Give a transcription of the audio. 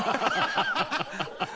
ハハハハ！